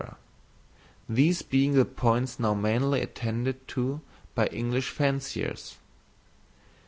these being the points now mainly attended to by English fanciers.